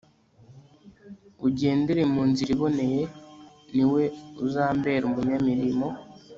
ugendera mu nzira iboneye, ni we uzambera umunyamirimo